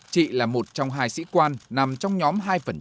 chị là một trong hai sĩ quan nằm trong nhóm hai